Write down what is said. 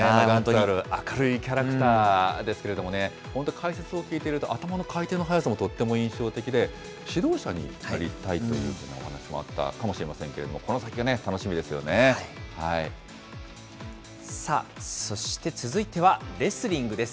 あの明るいキャラクターですけども、本当、解説を聞いていると、頭の回転の速さもとっても印象的で、指導者になりたいというお話もあったかもしれないですけど、このさあ、そして続いては、レスリングです。